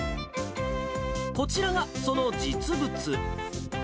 こちらがその実物。